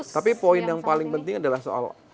tapi poin yang paling penting adalah soal